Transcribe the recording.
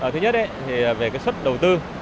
thứ nhất thì về cái suất đầu tư